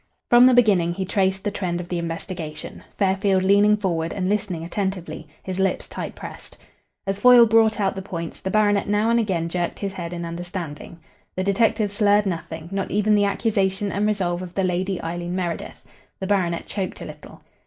From the beginning he traced the trend of the investigation, Fairfield leaning forward and listening attentively, his lips tight pressed. As Foyle brought out the points, the baronet now and again jerked his head in understanding. The detective slurred nothing, not even the accusation and resolve of the Lady Eileen Meredith. The baronet choked a little.